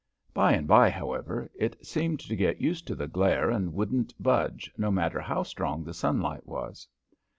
By and by, however, it seemed to get used to the glare and wouldn't budge, no matter how strong the sunlight was.